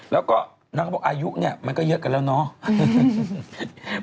แล้วก็นางก็บอกอายุเนี่ยมันก็เยอะกันแล้วเนาะ